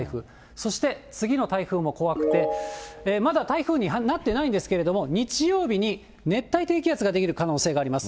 そして、次の台風も怖くて、まだ台風になってないんですけども、日曜日に熱帯低気圧が出来る可能性があります。